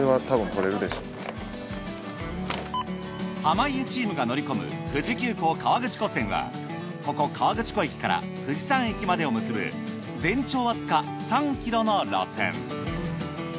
濱家チームが乗り込む富士急行河口湖線はここ河口湖駅から富士山駅までを結ぶ全長わずか３ｋｍの路線。